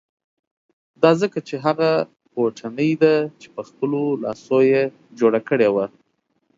دا ځکه چې هغه کوټنۍ ده چې په خپلو لاسو یې جوړه کړې وه.